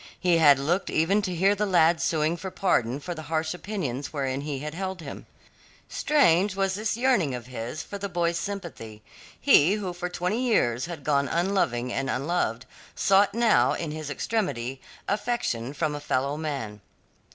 He had looked even to hear the lad suing for pardon for the harsh opinions wherein he had held him. Strange was this yearning of his for the boy's sympathy. He who for twenty years had gone unloving and unloved, sought now in his extremity affection from a fellow man.